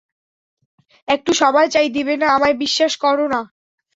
একটু সময় চাই দিবে না আমায় বিশ্বাস করো না?